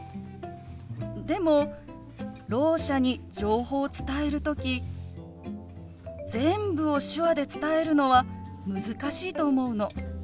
でもろう者に情報を伝える時全部を手話で伝えるのは難しいと思うの。